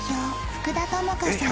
福田朋夏さん